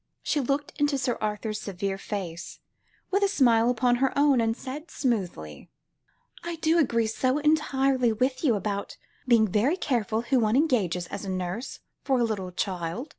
She looked into Sir Arthur's severe face, with a smile upon her own, and said smoothly "I do agree so entirely with you about being very careful who one engages as a nurse for a little child.